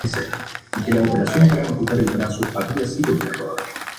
Mariscal López, Eligio Ayala, Azara, Herrera, Cerro Corá, Tte.